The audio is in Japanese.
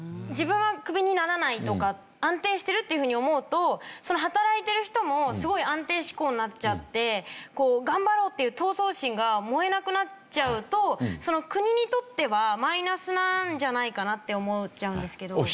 自分はクビにならないとか安定してるっていうふうに思うと働いてる人もすごい安定志向になっちゃって頑張ろうっていう闘争心が燃えなくなっちゃうと国にとってはマイナスなんじゃないかなって思っちゃうんですけど。